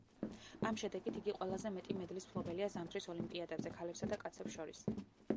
ამ შედეგით იგი ყველაზე მეტი მედლის მფლობელია ზამთრის ოლიმპიადებზე ქალებსა და კაცებს შორის.